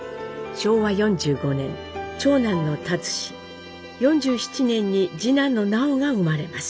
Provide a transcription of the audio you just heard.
昭和４５年長男の立嗣４７年に次男の南朋が生まれます。